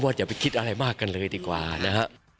อย่าไปคิดอะไรมากกันเลยดีกว่านะฮะ